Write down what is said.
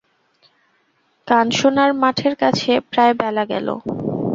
কানসোনার মাঠের কাছে প্রায় বেলা গেল।